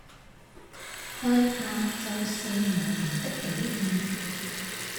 向下就是無能的表現